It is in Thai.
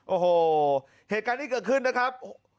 โอ้โหเหตุการณ์ที่เกิดขึ้นนะครับ